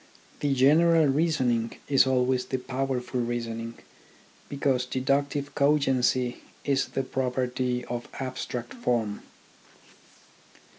The general reasoning is always the powerful reasoning, because deduc tive cogency is the property. of abstract form.